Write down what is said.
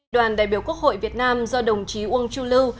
đoàn đại biểu quốc hội việt nam do đồng chí uông chu lưu